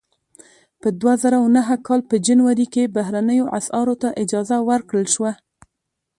د دوه زره نهه کال په جنوري کې بهرنیو اسعارو ته اجازه ورکړل شوه.